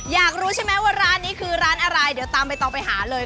อยากรู้ใช่ไหมว่าร้านนี้คือร้านอะไรเดี๋ยวตามใบตองไปหาเลย